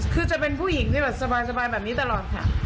คือจะเป็นผู้หญิงที่แบบสบายแบบนี้ตลอดค่ะ